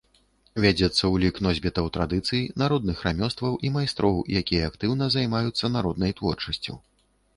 Вядзецца ўлік носьбітаў традыцый, народных рамёстваў і майстроў, якія актыўна займаюцца народнай творчасцю.